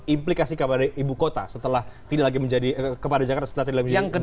implikasi kepada ibu kota setelah tidak lagi menjadi kepada jakarta setelah tidak menjadi